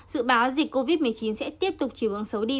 dự báo dịch covid một mươi chín sẽ tiếp tục chỉu ứng xấu đi